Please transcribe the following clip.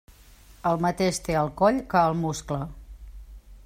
El mateix té al coll que al muscle.